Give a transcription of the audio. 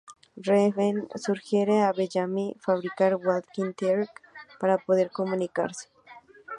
Raven sugiere a Bellamy fabricar walkie-talkies para poder comunicarse.